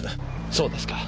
そうですか。